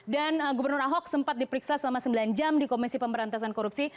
dan gubernur ahok sempat diperiksa selama sembilan jam di komisi pemberantasan korupsi